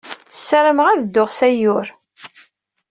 Ssarameɣ ad dduɣ s Ayyur.